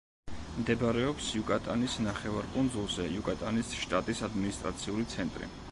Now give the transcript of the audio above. მდებარეობს იუკატანის ნახევარკუნძულზე იუკატანის შტატის ადმინისტრაციული ცენტრი.